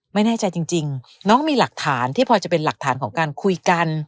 ไม่แน่ใจจริงน้องมีหลักฐานที่พอจะเป็นหลักฐานของการคุยกัน